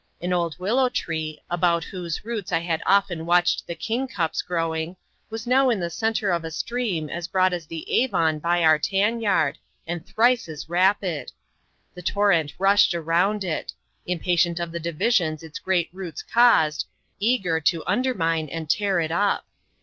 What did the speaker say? An old willow tree, about whose roots I had often watched the king cups growing, was now in the centre of a stream as broad as the Avon by our tan yard, and thrice as rapid. The torrent rushed round it impatient of the divisions its great roots caused eager to undermine and tear it up.